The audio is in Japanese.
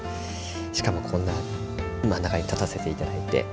しかもこんな真ん中に立たせていただいて。